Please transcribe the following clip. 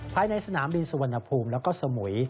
ภายในสนามบินสุวรรณภูมิแล้วก็สมุย